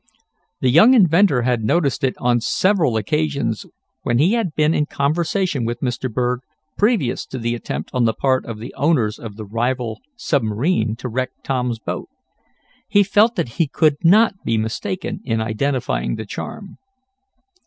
The young inventor had noticed it on several occasions when he had been in conversation with Mr. Berg previous to the attempt on the part of the owners of the rival submarine to wreck Tom's boat. He felt that he could not be mistaken in identifying the charm.